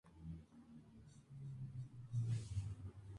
Parry simultáneo con una daga y espada.